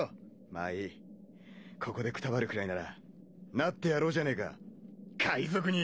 まあいいここでくたばるくらいならなってやろうじゃねえか海賊に！